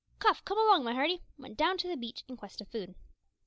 Cuff, come along, my hearty," went down to the beach in quest of food.